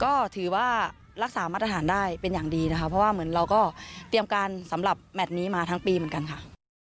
ก็ถือว่ารักษามาตรฐานได้เป็นอย่างดีนะคะเพราะว่าเหมือนเราก็เตรียมการสำหรับแมทนี้มาทั้งปีเหมือนกันค่ะ